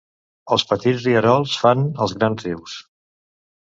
Els petits rierols fan els grans rius.